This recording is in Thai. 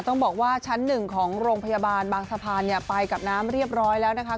ต้องบอกว่าชั้นหนึ่งของโรงพยาบาลบางสะพานไปกับน้ำเรียบร้อยแล้วนะคะ